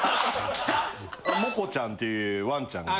モコちゃんっていうワンちゃんが。